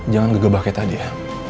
jangan gegebah kayak tadi ya